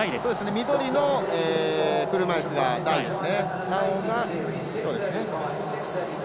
緑の車いすが代ですね。